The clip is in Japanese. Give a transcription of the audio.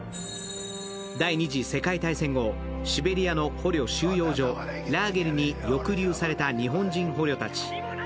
第二次世界大戦後、シベリアの捕虜収容所ラーゲリに抑留された日本人捕虜たち。